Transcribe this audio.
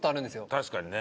確かにね。